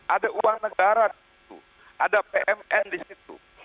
ada uang negara di situ ada pmn di situ